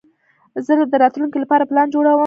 زه د راتلونکي لپاره پلان جوړوم.